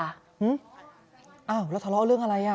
อ้าวแล้วทะเลาะเรื่องอะไรอ่ะ